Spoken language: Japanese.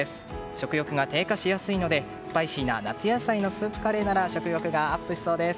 食欲が低下しやすいのでスパイシーな夏野菜のスープカレーなら食欲がアップしそうです。